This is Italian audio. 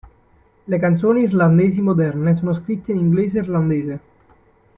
Le canzoni irlandesi moderne sono scritte in inglese e irlandese.